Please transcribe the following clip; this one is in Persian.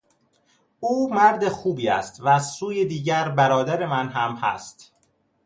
او مرد خوبی است و از سوی دیگر برادر من هم هست.